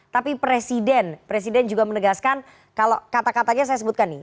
tapi presiden juga menegaskan kata katanya saya sebutkan nih